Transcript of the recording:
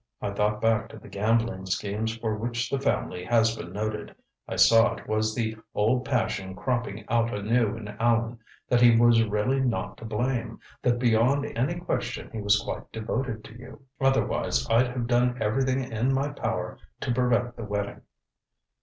I thought back to the gambling schemes for which the family has been noted I saw it was the old passion cropping out anew in Allan that he was really not to blame that beyond any question he was quite devoted to you. Otherwise I'd have done everything in my power to prevent the wedding."